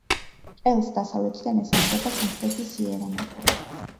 ყელს დასავლეთიდან ესაზღვრება სამხრეთი სიერა-მადრე.